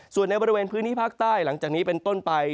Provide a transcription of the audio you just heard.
ส่วนในบริเวณพื้นที่ภาคใต้หลังจากนี้เป็นต้นไป